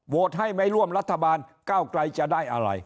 ให้ไม่ร่วมรัฐบาลก้าวไกลจะได้อะไร